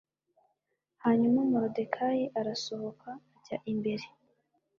hanyuma moridekayi arasohoka ajya imbere